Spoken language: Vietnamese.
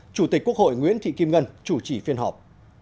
chủ tịch quốc hội nguyễn thị kim ngân chủ trì phiên họp